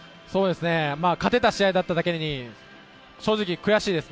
勝てた試合だっただけに、正直悔しいです。